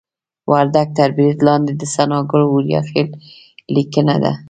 وردګ تر برید لاندې د ثناګل اوریاخیل لیکنه ده